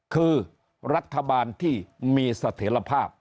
คือรัฐบาลที่มีเสถียรภาพ